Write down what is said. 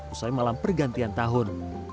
usai malam pergantian tahun